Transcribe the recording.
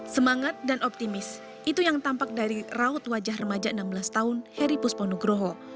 semangat dan optimis itu yang tampak dari raut wajah remaja enam belas tahun heri pusponugroho